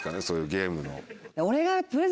そういうゲームの。